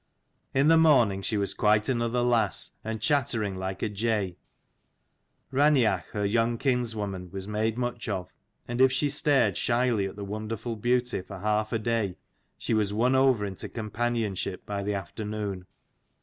In the morning she was quite another lass, and chattering like a jay. Raineach her young kinswoman was made much of, and if she stared shyly at the wonderful beauty for half a day, she was won over into companionship by 124 the afternoon.